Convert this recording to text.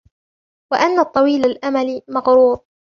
وَأَنَّ الطَّوِيلَ الْأَمَلِ مَغْرُورٌ